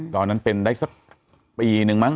ตอนนั้นเป็นได้สักปีนึงมั้ง